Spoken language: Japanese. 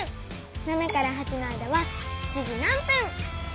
７から８の間は７時何分！